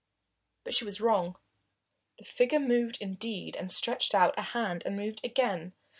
But she was wrong. The figure moved, indeed, and stretched out a hand and moved again.